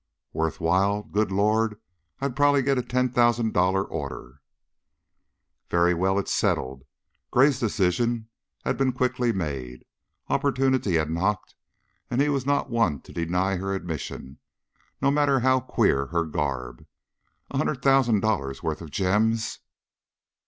"Worth while? Good Lord! I'd probably get a ten thousand dollar order!" "Very well. It's settled." Gray's decision had been quickly made. Opportunity had knocked he was not one to deny her admission, no matter how queer her garb. A hundred thousand dollars' worth of gems!